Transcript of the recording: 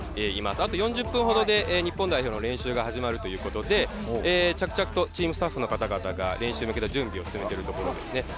あと４０分ほどで日本代表の練習が始まるということで、着々とチームスタッフの方々が練習に向けた準備を進めているところですね。